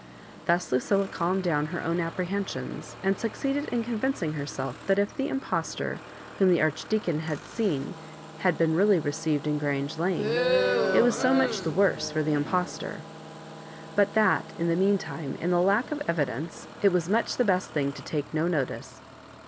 Thus Lucilla calmed down her own apprehensions, and succeeded in convincing her self that if the impostor whom the Archdeacon had seen had been really received in Grange Lane, it was so much the worse for the impostor; but that, in the meantime, in the lack of evidence it was much the best thmg to take no notice.